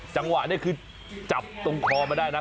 จังหวะนี้คือจับตรงคอมาได้นะ